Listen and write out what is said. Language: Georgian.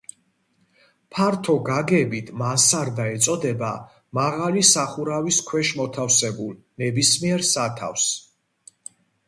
ფართო გაგებით, მანსარდა ეწოდება მაღალი სახურავის ქვეშ მოთავსებულ ნებისმიერ სათავსს.